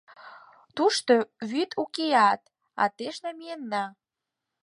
Тушто вӱд укеат, атеш намиенна.